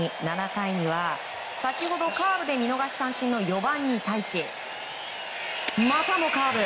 ７回には先ほどカーブで見逃し三振の４番に対しまたもカーブ！